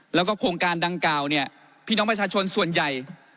แล้วก็โครงการดังกล่าวเนี่ยพี่น้องประชาชนส่วนใหญ่